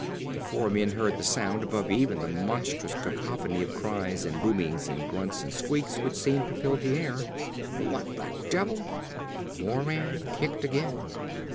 The four men heard the sound above even the monstrous cacophony of cries and boomings and grunts and squeaks which seemed to fill the air. "What the devil ." Moran kicked again.